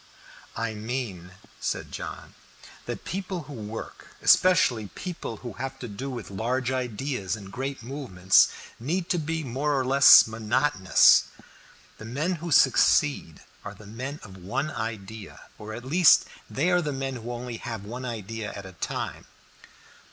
"I mean," said John, "that people who work, especially people who have to do with large ideas and great movements, need to be more or less monotonous. The men who succeed are the men of one idea or at least they are the men who only have one idea at a time."